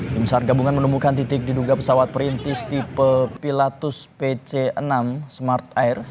tim sar gabungan menemukan titik diduga pesawat perintis tipe pilatus pc enam smart air